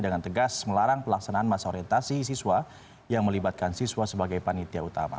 dengan tegas melarang pelaksanaan masa orientasi siswa yang melibatkan siswa sebagai panitia utama